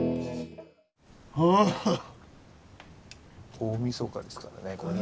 大みそかですからねこれね。